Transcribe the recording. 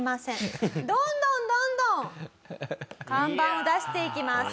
どんどんどんどん看板を出していきます。